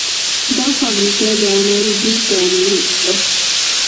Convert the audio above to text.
دا فابریکه د انارو جوس، د انارو اوبه